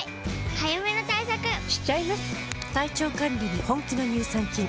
早めの対策しちゃいます。